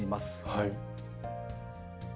はい。